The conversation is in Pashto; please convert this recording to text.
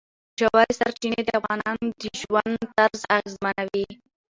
ژورې سرچینې د افغانانو د ژوند طرز اغېزمنوي.